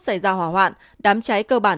xảy ra hỏa hoạn đám cháy cơ bản